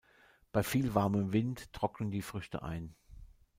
Bei viel warmem Wind trocknen die Früchte ein.